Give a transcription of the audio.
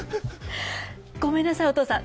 ごめんなさい、お父さん。